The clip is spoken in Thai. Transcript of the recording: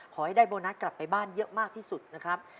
ขอให้ได้โบนัสกลับไปบ้านเยอะมากที่สุดนะครับ